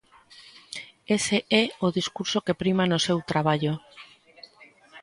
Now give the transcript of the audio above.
Ese é o discurso que prima no seu traballo.